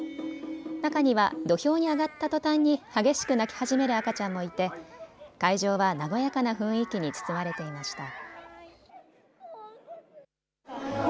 中には土俵に上がったとたんに激しく泣き始める赤ちゃんもいて会場は和やかな雰囲気に包まれていました。